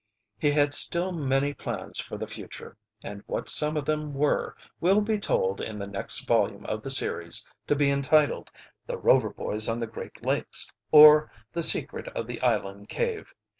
He had still many plans for the future, and what some of them were will be told in the next volume of the series, to be entitled "The Rover Boys on the Great Lakes; or, The Secret of the Island Cave."